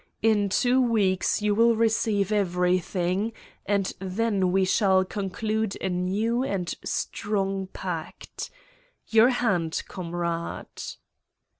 In two weeks you will receive everything and then we shall conclude a new and strong pact. Your hand, comrade